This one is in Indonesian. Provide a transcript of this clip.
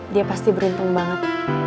dia pasti beruntung banget